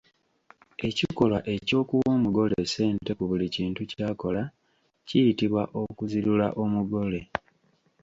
Ekikolwa eky'okuwa omugole ssente ku buli kintu ky'akola kiyitibwa okuzirula omugole.